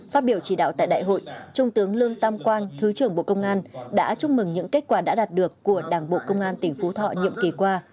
phát biểu chỉ đạo tại đại hội trung tướng lương tam quang thứ trưởng bộ công an đã chúc mừng những kết quả đã đạt được của đảng bộ công an tỉnh phú thọ nhiệm kỳ qua